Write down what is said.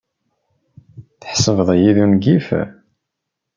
Tḥesbeḍ-iyi d ungif?